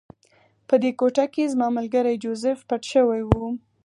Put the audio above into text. په دې کوټه کې زما ملګری جوزف پټ شوی و